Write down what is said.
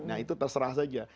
nah itu terserah saja